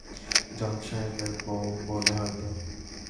জজ সাহেবের বউও বলে হয়তো।